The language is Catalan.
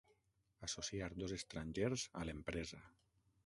Associar dos estrangers a l'empresa.